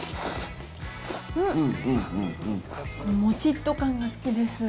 もちっと感が好きです。